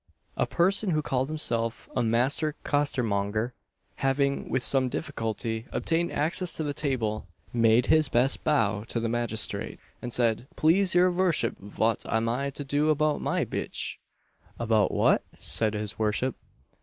A person, who called himself a "master costermonger," having, with some difficulty, obtained access to the table, made his best bow to the magistrate, and said, "Please your vurship, vaut am I to do about my bitch?" "About what?" said his worship.